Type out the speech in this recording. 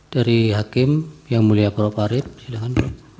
dari hakim yang mulia kuro parip silakan